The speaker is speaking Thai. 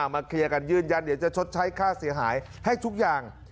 เคลียร์กันยืนยันเดี๋ยวจะชดใช้ค่าเสียหายให้ทุกอย่าง